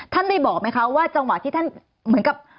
ท่านได้บอกไหมคะว่าจังหวะที่ท่านเหมือนกับ